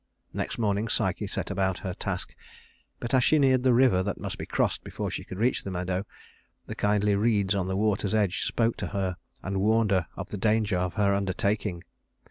Next morning Psyche set about her task, but as she neared the river that must be crossed before she could reach the meadow, the kindly reeds on the water's edge spoke to her, and warned her of the danger of her undertaking.